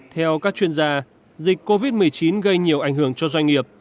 theo các chuyên gia dịch covid một mươi chín gây nhiều ảnh hưởng cho doanh nghiệp